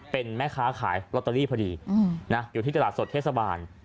เป็นแม่ค้าขายลอตเตอรี่พอดีอยู่ที่ตลาดสดเทศบาล